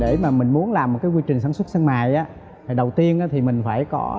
để mà mình muốn làm một quy trình sản xuất sân mài thì đầu tiên thì mình phải có